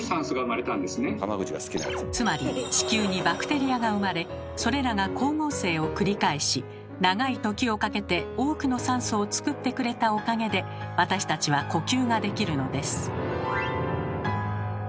つまり地球にバクテリアが生まれそれらが光合成を繰り返し長い時をかけて多くの酸素を作ってくれたおかげで私たちは呼吸ができるのです。